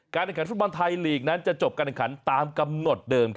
การเนินขันฟุตบอลไทยลีกนั้นจะจบการเนินขันตามกำหนดเดิม